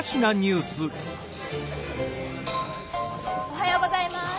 おはようございます。